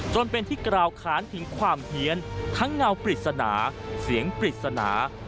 จนเป็นที่กล่าวขานถึงความเฮียนทั้งเงาปริศนาเสียงปริศนา